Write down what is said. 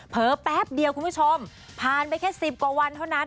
แป๊บเดียวคุณผู้ชมผ่านไปแค่๑๐กว่าวันเท่านั้น